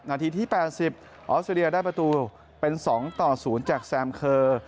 นาทีที่๘๐ออสเตรเลียได้ประตูเป็น๒ต่อ๐จากแซมเคอร์